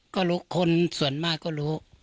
ก็รู้คนส่วนมากก็รู้